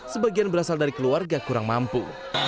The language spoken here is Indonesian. sebagian berasal dari keluarga kurang mampu